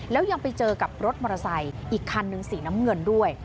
แล้วยังไปเจอกับรถมอเตอร์ไซค์อีกคันหนึ่งสีน้ำเงินด้วย